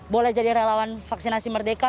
boleh jadi relawan vaksinasi merdeka